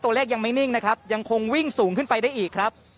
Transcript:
ยังไม่นิ่งนะครับยังคงวิ่งสูงขึ้นไปได้อีกครับ